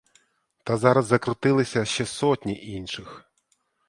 Та зараз закрутилися ще сотні інших.